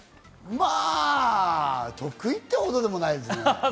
まぁ、得意ってほどでもないですね。